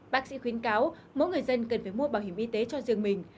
bác sĩ khuyến cáo mỗi người dân cần phải mua bảo hiểm y tế cho riêng mình